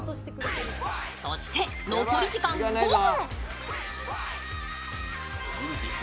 そして、残り時間５分。